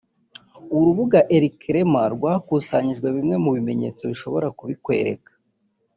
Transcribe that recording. urubuga Elcrema rwakusanyije bimwe mu bimenyetso bishobora kubikwereka